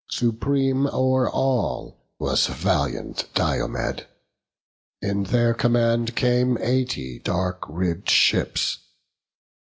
Supreme o'er all was valiant Diomed. In their command came eighty dark ribb'd ships.